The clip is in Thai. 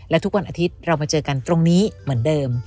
และทุกวันอาทิตย์เรามาเจอกันตรงนี้เหมือนเดิม